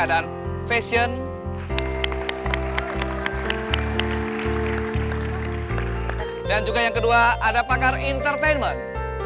dan juga yang kedua ada pakar entertainment